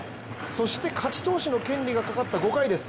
そして勝ち投手の権利がかかった５回です。